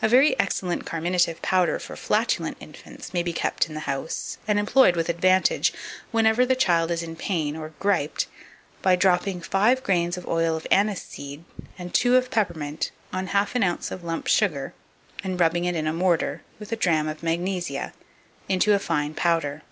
2577. A very excellent carminative powder for flatulent infants may be kept in the house, and employed with advantage, whenever the child is in pain or griped, by dropping 5 grains of oil of aniseed and 2 of peppermint on half an ounce of lump sugar, and rubbing it in a mortar, with a drachm of magnesia, into a fine powder.